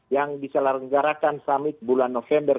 yang diselenggarakan samit bulan november